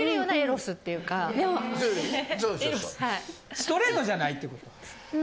・エロス・ストレートじゃないってことか。